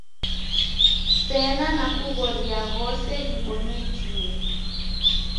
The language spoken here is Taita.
Sena nakughoria ghose ghibonyekie